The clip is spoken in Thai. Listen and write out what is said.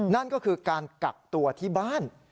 นั่นก็คือการกักตัวที่บ้าน